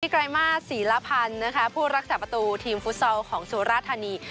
ไกรมาสศรีละพันธ์นะคะผู้รักษาประตูทีมฟุตซอลของสุราธานี